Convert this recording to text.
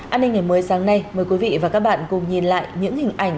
an ninh ngày mới sáng nay mời quý vị và các bạn cùng nhìn lại những hình ảnh